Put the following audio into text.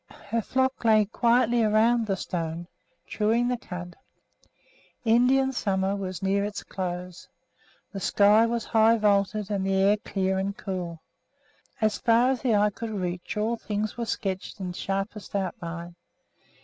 Her flock lay quietly around the stone, chewing the cud. Indian summer was near its close. The sky was high vaulted and the air clear and cool. As far as the eye could reach all things were sketched in sharpest outline.